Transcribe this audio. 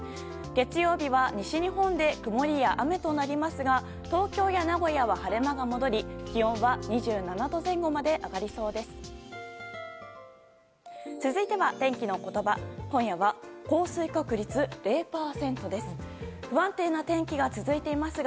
月曜日は、西日本で曇りや雨となりますが東京や名古屋は晴れ間が戻り気温は２７度前後まで上がりそうです。